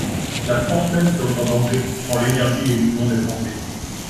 La France même serait en danger, sans l'énergie et l'union des Français.